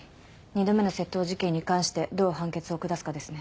２度目の窃盗事件に関してどう判決を下すかですね。